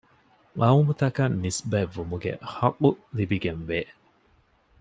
ޤައުމަކަށް ނިސްބަތް ވުމުގެ ޙައްޤު ލިބިގެންވޭ